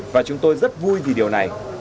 và chúng tôi rất vui vì điều này